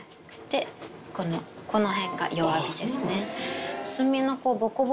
でこの辺が弱火ですね。